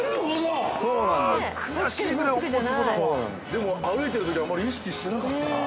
◆でも歩いてるとき、あんまり意識してなかった。